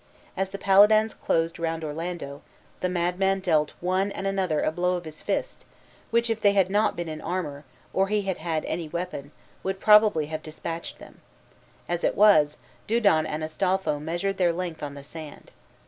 As the paladins closed round Orlando, the madman dealt one and another a blow of his fist, which, if they had not been in armor, or he had had any weapon, would probably have despatched them; as it was, Dudon and Astolpho measured their length on the sand.